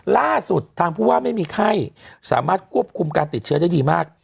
ล่าสุดทางผู้ว่าไม่มีไข้สามารถควบคุมการติดเชื้อได้ดีมาก